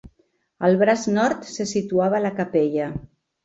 Al braç nord se situava la capella.